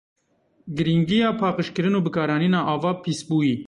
Girîngiya paqijkirin û bikaranîna ava pîsbûyî.